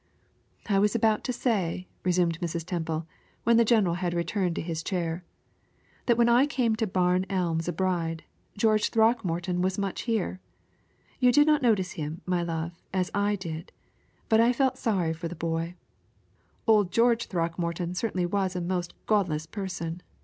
"I was about to say," resumed Mrs. Temple, when the general had returned to his chair, "that when I came to Barn Elms a bride, George Throckmorton was much here. You did not notice him, my love, as I did but I felt sorry for the boy; old George Throckmorton certainly was a most godless person.